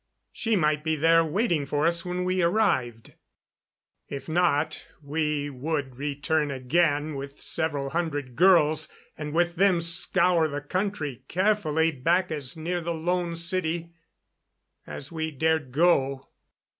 She might be there waiting for us when we arrived. If not, we would return again with several hundred girls, and with them scour the country carefully back as near the Lone City as we dared go.